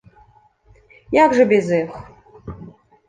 Як жа без іх!